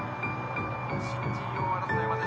「新人王争いまで」